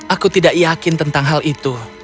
aku tidak yakin tentang hal itu